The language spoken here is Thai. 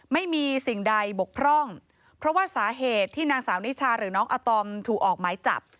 ไม่มีสิ่งใดบกพร่องเพราะว่าสาเหตุที่นางสาวนิชาหรือน้องอาตอมถูกออกหมายจับ